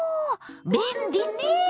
便利ねぇ！